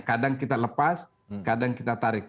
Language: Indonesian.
kadang kita lepas kadang kita tarik